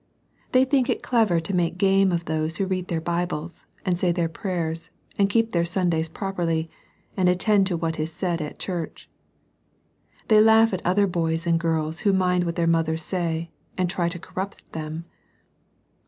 They think it clever to make game of those who read their Bibles, and say their prayers, and keep their Sundays properly, and attend to what is said at Church. They laugh at other boys and girls who mind what their mothers say, and try to corrupt them.